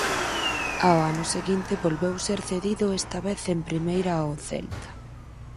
Ao ano seguinte volveu ser cedido esta vez en Primeira ao Celta.